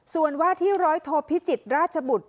ส่วนว่าที่ร้อยโทพิจิตรราชบุตร